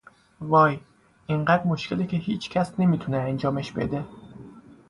وای، اینقدر مشکله که هیچکس نمیتونه انجامش بده.